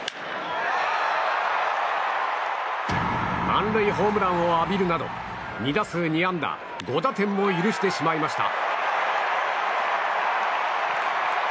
満塁ホームランを浴びるなど２打数２安打５打点も許してしまいました。